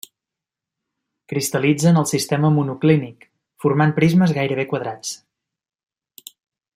Cristal·litza en el sistema monoclínic, formant prismes gairebé quadrats.